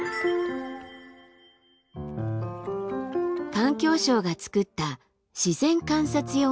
環境省が作った自然観察用のノート。